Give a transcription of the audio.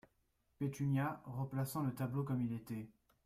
Pétunia , replaçant le tableau comme il était.